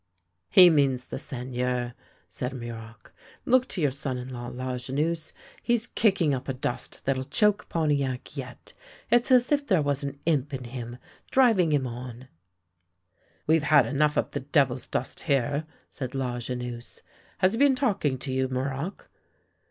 " He means the Seigneur," said Muroc. " Look to your son in law, Lajeunesse. He's kicking up a dust i6 THE LANE THAT HAD NO TURNING that'll choke Pontiac yet. It's as if there was an imp in him, driving him on." " We've had enough of the devil's dust here," said Lajeunesse. " Has he been talking to you, Muroc?